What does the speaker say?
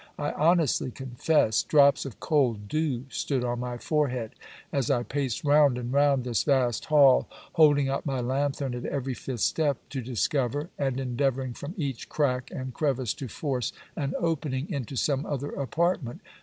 I honestly confess, drops of cold dew stood on my forehead, as I paced round and round this vast hall, holding up my lanthern at every fifth step to discover, and endeavouring from each crack and crevice to force, an opening into some other apartment.